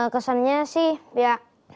kesannya sih ya